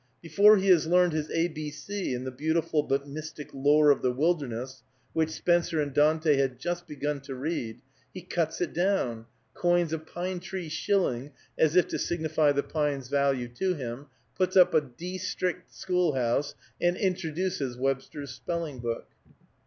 Before he has learned his a b c in the beautiful but mystic lore of the wilderness which Spenser and Dante had just begun to read, he cuts it down, coins a pine tree shilling (as if to signify the pine's value to him), puts up a _dee_strict schoolhouse, and introduces Webster's spelling book.